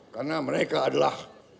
karena mereka adalah